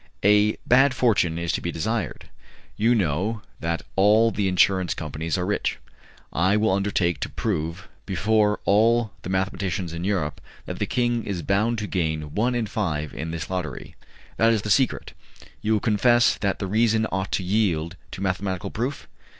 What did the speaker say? "A bad fortune to be desired. You know that all the insurance companies are rich. I will undertake to prove before all the mathematicians in Europe that the king is bound to gain one in five in this lottery. That is the secret. You will confess that the reason ought to yield to a mathematical proof?"